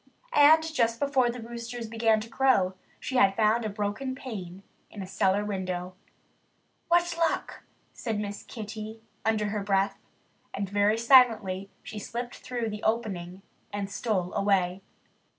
And just before the roosters began to crow she had found a broken pane in a cellar window. "What luck!" said Miss Kitty under her breath. And very silently she slipped through the opening and stole away.